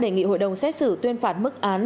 đề nghị hội đồng xét xử tuyên phạt mức án